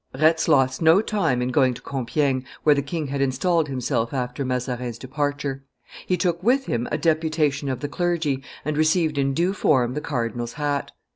Retz lost no time in going to Compiegne, where the king had installed himself after Mazarin's departure; he took with him a deputation of the clergy, and received in due form the cardinal's hat.